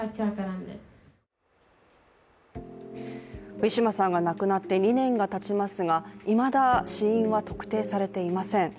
ウィシュマさんが亡くなって２年がたちますがいまだ死因は特定されていません。